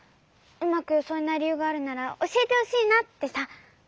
うまくよそえないりゆうがあるならおしえてほしいなってさ。